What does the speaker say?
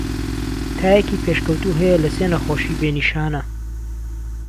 تایەکی پێشکەوتوو هەیە لە سێ نەخۆشی بێ نیشانە.